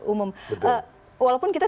umum walaupun kita